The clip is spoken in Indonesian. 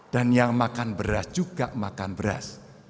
dan yang makan beras juga makan beras